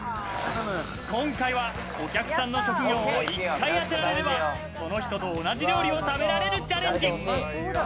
今回はお客さんの職業を１回当てられれば、その人と同じ料理を食べられるチャレンジ。